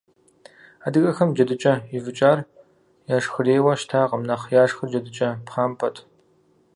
Адыгэхэм джэдыкӀэ ивыкӀар яшхырейуэ щытакъым, нэхъ яшхыр джэдыкӀэ пхъампэт.